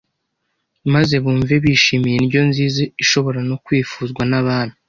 maze bumve bishimiye indyo nziza ishobora no kwifuzwa n’abami.